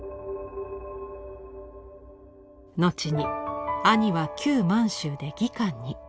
後に兄は旧満州で技官に。